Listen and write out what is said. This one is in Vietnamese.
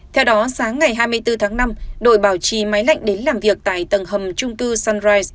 theo đó sáng ngày hai mươi bốn tháng năm đội bảo trì máy lạnh đến làm việc tại tầng hầm trung cư sunrise